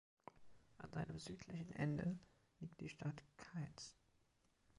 An seinem südlichen Ende liegt die Stadt Cairns.